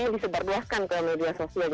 yang bisa di sebar buaskan ke media sosial